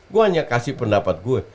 gue hanya kasih pendapat gue